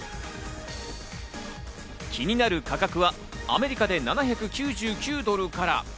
気になる価格はアメリカで７９９ドルから。